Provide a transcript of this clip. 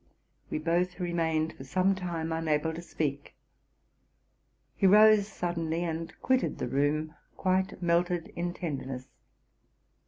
We both remained for some time unable to speak. He rose suddenly and quitted the room, quite melted in tenderness.